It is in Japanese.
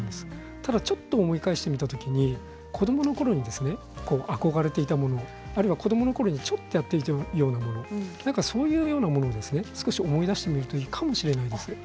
ただちょっと思い返してみたときに子どものころに憧れていたものあるいは子どものころにちょっとやっていたようなものそういうものですね少し思い出してみるといいかもしれないです。